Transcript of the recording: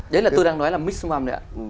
đấy là tôi đang nói là mix mầm đấy ạ